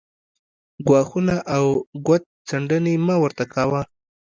ګواښونه او ګوت څنډنې مه ورته کاوه